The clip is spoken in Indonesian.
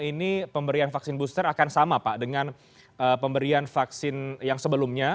ini pemberian vaksin booster akan sama pak dengan pemberian vaksin yang sebelumnya